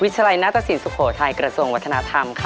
ชัยนาตสินสุโขทัยกระทรวงวัฒนธรรมค่ะ